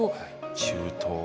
中東